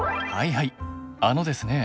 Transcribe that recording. はいあのですね